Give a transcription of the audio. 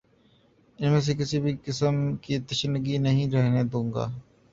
ان میں کسی بھی قسم کی تشنگی نہیں رہنے دوں گا